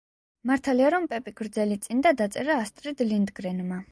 მართალია, რომ პეპი გრძელიწინდა დაწერა ასტრიდ ლინდგრენმა